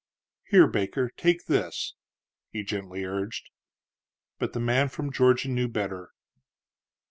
"Here, Baker; take this," he gently urged. But the man from Georgia knew better.